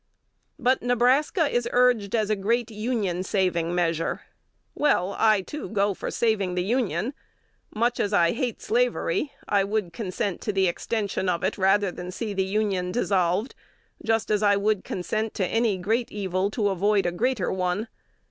"But Nebraska is urged as a great Union saving measure. Well, I, too, go for saving the Union. Much as I hate slavery, I would consent to the extension of it, rather than see the Union dissolved, just as I would consent to any great evil to avoid a greater one.